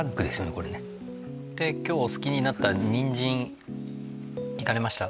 これねで今日お好きになった人参いかれました？